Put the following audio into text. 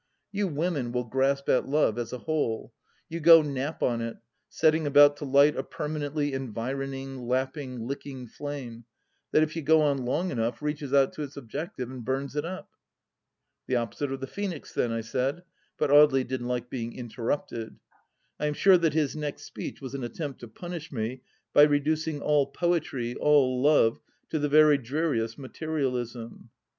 . You women will grasp at Love as a whole : you go Nap on it, setting about to light a permanently environing, lapping, licking flame, that if you go on long enough reaches out to its objective and bums it up !"" The opposite of the Phoenix, then," I said, but Audely didn't like being interrupted. I am sure that his next speech was an attempt to punish me by reducing all poetry, all love, to the very dreariest materialism.